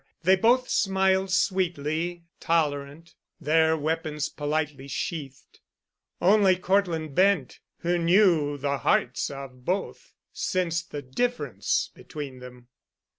They both smiled, sweetly tolerant, their weapons politely sheathed. Only Cortland Bent, who knew the hearts of both, sensed the difference between them.